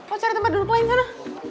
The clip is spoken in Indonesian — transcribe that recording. oh ada tempat duduk lain sana